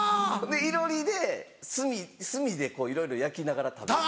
いろりで炭炭でこういろいろ焼きながら食べる。